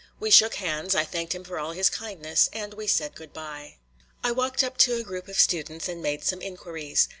We shook hands, I thanked him for all his kindness, and we said good by. I walked up to a group of students and made some inquiries.